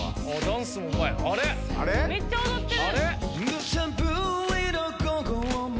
めっちゃ踊ってる。